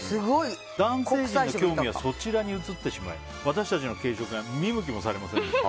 男性陣の興味はそちらに移ってしまい私たちの軽食は見向きもされませんでした。